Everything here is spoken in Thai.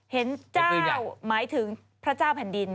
เห็นเจ้าหมายถึงพระเจ้าแผ่นดิน